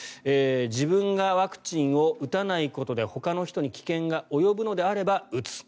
自分がワクチンを打たないことでほかの人に危険が及ぶのであれば打つ。